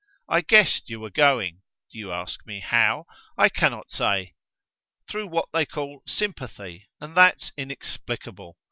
I guessed you were going. Do you ask me how? I cannot say. Through what they call sympathy, and that's inexplicable.